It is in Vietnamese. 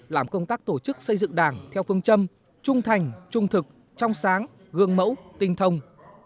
làm công tác tổ chức xây dựng đảng theo phương châm trung thành trung thực trong sáng gương mẫu tinh thông